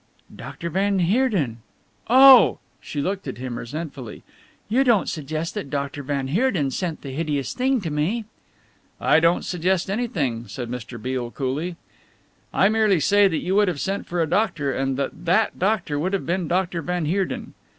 "Doctor van Heerden oh!" She looked at him resentfully. "You don't suggest that Doctor van Heerden sent that hideous thing to me?" "I don't suggest anything," said Mr. Beale coolly. "I merely say that you would have sent for a doctor, and that that doctor would have been Doctor van Heerden.